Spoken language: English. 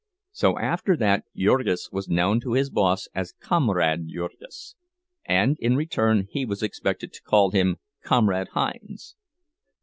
So, after that, Jurgis was known to his "boss" as "Comrade Jurgis," and in return he was expected to call him "Comrade Hinds."